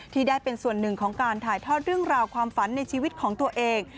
ที่ได้เป็นส่วนหนึ่งของการถ่ายทอดเรื่องราวความฝันในชีวิตของตัวเอง